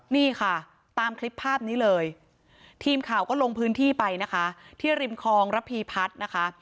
นี่ค่ะตามคลิปภาพนี้เลยทีมข่าวก็ลงพื้นที่ไปนะคะที่ริมคลองระพีพัฒน์นะคะ